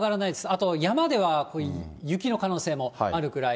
あと山では雪の可能性もあるくらい。